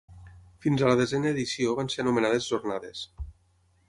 Fins a la desena edició van ser anomenades jornades.